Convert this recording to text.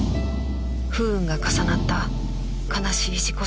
不運が重なった悲しい事故死